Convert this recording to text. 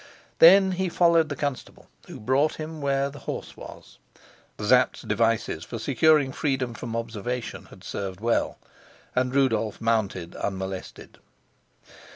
Then he followed the constable, who brought him where the horse was. Sapt's devices for securing freedom from observation had served well, and Rudolf mounted unmolested.